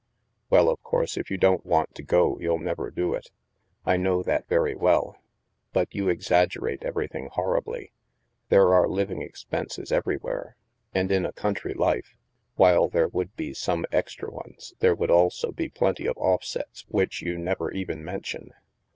*' Well, of course, if you don't want to go, you'll never do it. I know that very well. But you ex aggerate everything horribly. There are living ex penses everywhere. And in a country life, while there would be some extra ones, there would also be plenty of offsets which you never even mention.